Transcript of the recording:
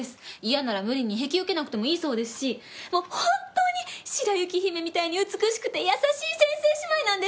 嫌なら無理に引き受けなくてもいいそうですしもう本当に白雪姫みたいに美しくて優しい先生姉妹なんですから！